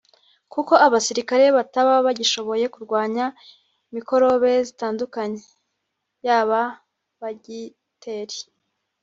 kuko abasirikare bataba bagishoboye kurwanya mikorobe zitandukanye (yaba bagiteri